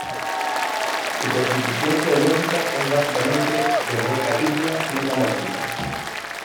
Su constitución geológica es básicamente de roca ígnea metamórfica.